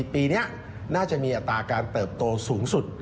ปีนี้น่าจะมีอัตราการเติบโตสูงสุด